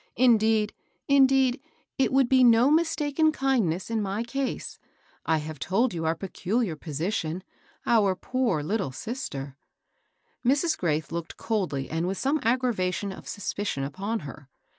"Indeed — indeed, it would be no mistaken kindness in my case. 1 have told you our peculiar position — our poor little sister "— Mrs. Graith looked coldly and with some aggra vation of suspicion upon her.